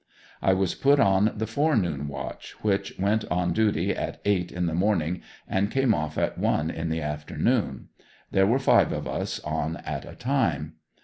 I was put on the forenoon watch which went on duty at eight in the morning and came off at one in the afternoon. There were five of us on at a time.